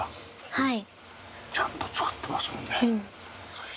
はい。